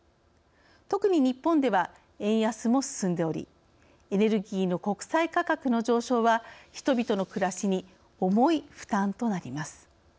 特に日本では、円安も進んでおりエネルギーの国際価格の上昇は人々の暮らしに重い負担となります。